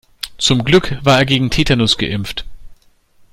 Zum Glück war er gegen Tetanus geimpft.